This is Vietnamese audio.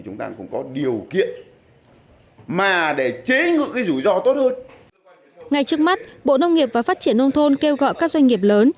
ngay trước mắt bộ nông nghiệp và phát triển nông thôn kêu gọi các doanh nghiệp lớn